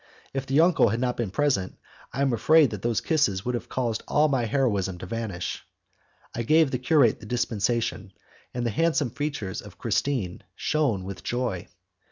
If the uncle had not been present, I am afraid that those kisses would have caused all my heroism to vanish. I gave the curate the dispensation, and the handsome features of Christine shone with joy.